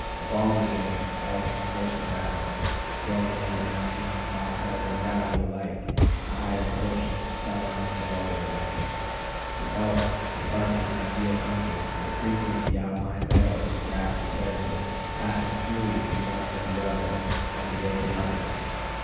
Of all the game, elk most abound, roaming over mountain, plateau, and valley alike, the higher portions in summer, the lower in winter. For elk, the park is an ideal country. They frequent the alpine meadows and grassy terraces, passing freely from one to the other of the open uplands.